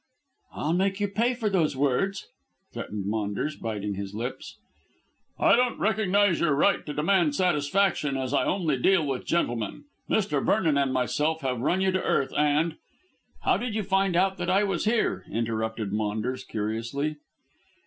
"I'll make you pay for those words," threatened Maunders, biting his lips. "I don't recognise your right to demand satisfaction as I only deal with gentlemen. Mr. Vernon and myself have run you to earth, and " "How did you find out that I was here?" interrupted Maunders curiously.